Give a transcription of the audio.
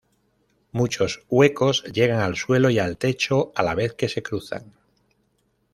Muchos huecos llegan al suelo y al techo, a la vez que se cruzan.